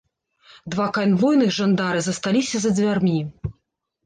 Два канвойных жандары засталіся за дзвярмі.